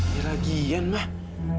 ya lagian mbak